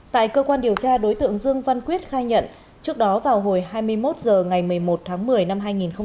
tại cơ quan điều tra đối tượng dương văn quyết khai nhận trước đó vào hồi hai mươi một h ngày một mươi một tháng một mươi năm hai nghìn một mươi chín